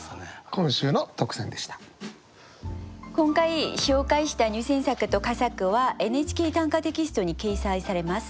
今回紹介した入選作と佳作は「ＮＨＫ短歌」テキストに掲載されます。